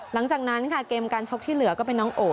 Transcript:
หลังจากนั้นค่ะเกมการชกที่เหลือก็เป็นน้องโอ